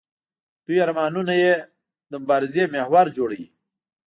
دوی ارمانونه یې د مبارزې محور جوړوي.